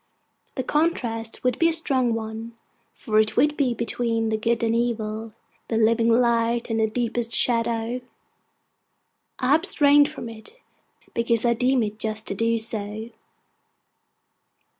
The contrast would be a strong one, for it would be between the Good and Evil, the living light and deepest shadow. I abstain from it, because I deem it just to do so.